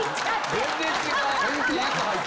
全然違う！